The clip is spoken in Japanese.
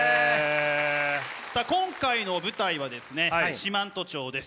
さあ今回の舞台はですね四万十町です。